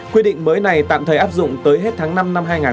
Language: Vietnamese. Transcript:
quyết định mới này tạm thời áp dụng tới hết tháng năm năm hai nghìn hai mươi hai